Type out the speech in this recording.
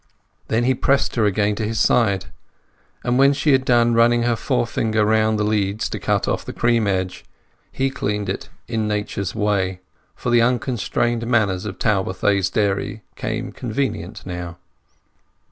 Then he pressed her again to his side, and when she had done running her forefinger round the leads to cut off the cream edge, he cleaned it in nature's way; for the unconstrained manners of Talbothays dairy came convenient now.